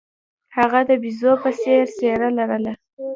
هغه د بیزو په څیر څیره لرله.